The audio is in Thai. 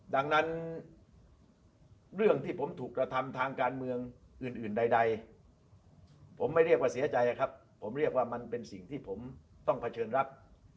ดังนั้นเรื่องที่ผมถูกกระทำทางการเมืองอื่นใดผมไม่เรียกว่าเสียใจครับผมเรียกว่ามันเป็นสิ่งที่ผมต้องเผชิญรับ